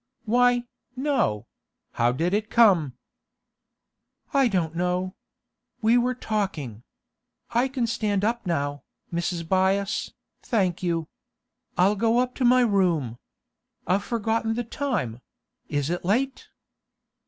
'Why, no; how did it come?' 'I don't know. We were talking. I can stand up now, Mrs. Byass, thank you. I'll go up to my room. I've forgotten the time; is it late?